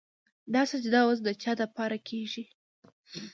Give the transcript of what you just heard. دا سجده وس د چا دپاره کيږي